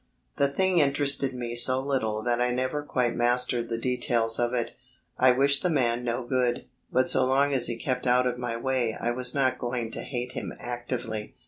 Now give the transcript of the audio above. The thing interested me so little that I never quite mastered the details of it. I wished the man no good, but so long as he kept out of my way I was not going to hate him actively.